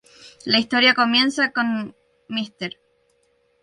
La historia comienza con Mr.